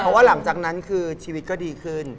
เพราะว่าหลังจากนั้นคือชีวิตก็ดีขึ้น